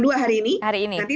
tanggal dua hari ini